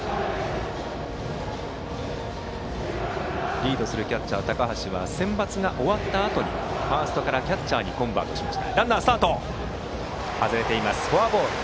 リードするキャッチャーの高橋はセンバツが終わったあとにファーストからキャッチャーにコンバートしました。